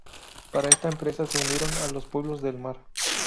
Para esta empresa se unieron a los pueblos del mar.